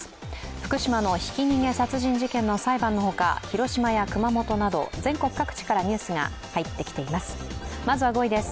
福島のひき逃げ殺人事件の裁判のほか、広島や熊本など全国各地からニュースが入ってきています。